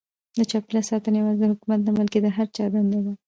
د چاپیریال ساتنه یوازې د حکومت نه بلکې د هر چا دنده ده.